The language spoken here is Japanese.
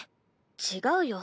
違うよ。